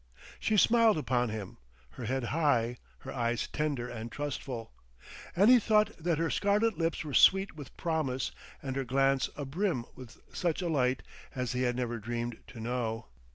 She smiled upon him, her head high, her eyes tender and trustful. And he thought that her scarlet lips were sweet with promise and her glance a brim with such a light as he had never dreamed to know.